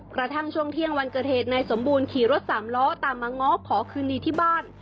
กระทั่งช่วงเที่ยงวันเกิดเหตุนายสมบูรณ์ขี่รถสามล้อตามมาง้อขอคืนดีที่บ้าน